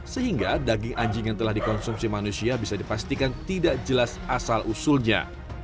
sehingga daging anjing yang telah dikonsumsi manusia bisa dipastikan tidak jelas asal usulnya